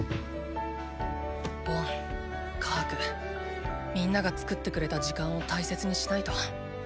ボンカハクみんなが作ってくれた時間を大切にしないと。